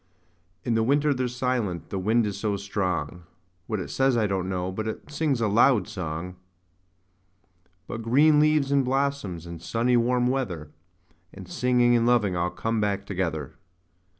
In the winter they're silent the wind is so strong; What it says, I don't know, but it sings a loud song. But green leaves, and blossoms, and sunny warm weather, 5 And singing, and loving all come back together.